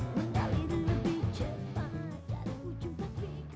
mencari lebih cepat dari ujung ujung